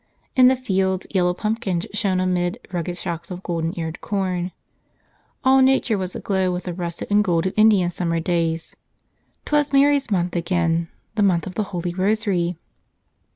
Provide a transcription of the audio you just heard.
In the fields yellow pumpkins shone amid rugged shocks of golden eared corn. All nature was aglow with the russet and gold of Indian summer days. 'Twas Mary's month again: the month of the Holy Rosary.